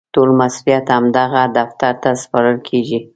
ټول مسوولیت همدغه دفتر ته سپارل کېږي.